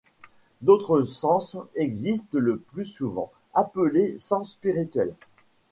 D'autres sens existent le plus souvent, appelés sens spirituels.